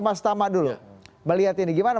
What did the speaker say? mas tama dulu melihat ini gimana